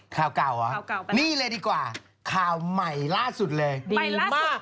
ข่าวเก่าเหรอนี่เลยดีกว่าข่าวใหม่ล่าสุดเลยดีมาก